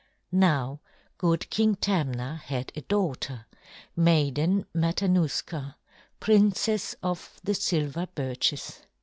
Now good King Tamna had a daughter, Maiden Matanuska, Princess of the Silver Birches.